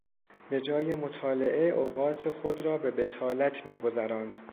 به جای مطالعه اوقات خود را به بطالت میگذراند.